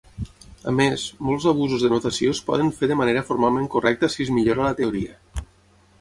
A més, molts abusos de notació es poden fer de manera formalment correcta si es millora la teoria.